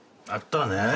あったね。